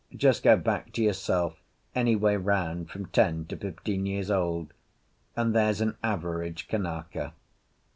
Just go back to yourself any way round from ten to fifteen years old, and there's an average Kanaka.